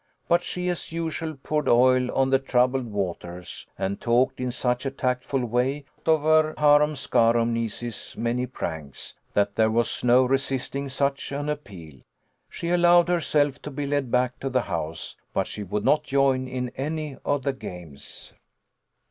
But she as usual poured oil on the troubled waters, and talked in such a tactful way of her harum scarum niece's many pranks, that there was no resisting such an appeal. She allowed herself to be led back to the house, but she would not join in any of the games.